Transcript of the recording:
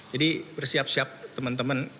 jadi bersiap siap teman teman